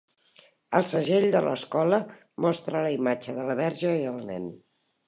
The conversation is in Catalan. El segell de l'escola mostra la imatge de la verge i el nen.